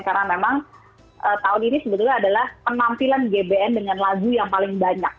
karena memang tahun ini sebetulnya adalah penampilan jbn dengan lagu yang paling banyak